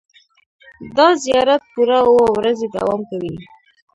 دا زیارت پوره اوه ورځې دوام کوي.